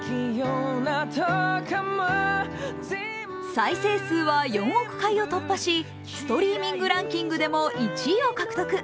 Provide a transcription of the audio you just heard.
再生数は４億回を突破しストリーミングランキングでも１位を獲得。